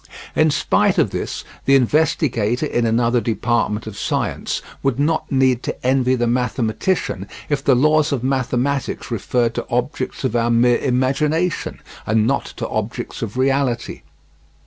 In spite of this, the investigator in another department of science would not need to envy the mathematician if the laws of mathematics referred to objects of our mere imagination, and not to objects of reality.